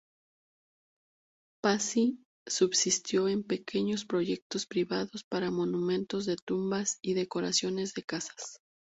Pazzi subsistió en pequeños proyectos privados para monumentos de tumbas y decoraciones de casas.